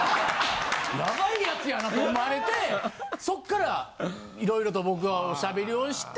ヤバい奴やなと思われてそっからいろいろと僕がおしゃべりをして。